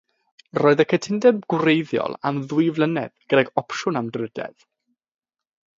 Roedd y cytundeb gwreiddiol am ddwy flynedd gydag opsiwn am drydedd.